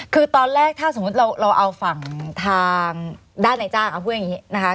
คือตอนแรกถ้าสมมุติเราเอาฝั่งทางด้านในจ้างเอาพูดอย่างนี้นะคะ